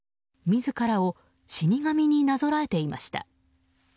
自らを死神になぞらえていました。